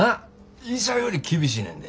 医者より厳しいねんで。